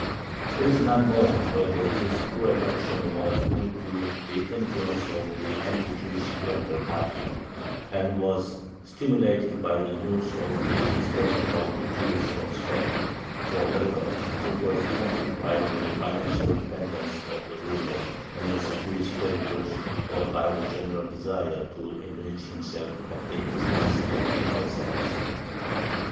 It is not known whether this cruel action was due to the influence of the anti Jewish clerical party, and was stimulated by the news of the expulsion of the Jews from Spain, or whether it was prompted by the financial dependence of the ruler on his Jewish creditors, or by the general desire to enrich himself at the expense of the exiles.